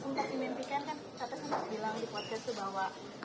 eh mau nanya sempat dimimpikan kan kata kata bilang di podcast itu bahwa